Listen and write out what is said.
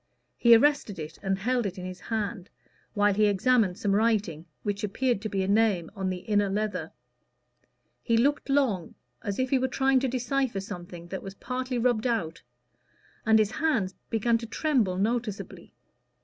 He arrested it and held it in his hand, while he examined some writing, which appeared to be a name on the inner leather. He looked long, as if he were trying to decipher something that was partly rubbed out; and his hands began to tremble noticeably.